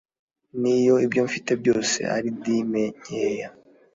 niyo ibyo mfite byose ari dime nkeya.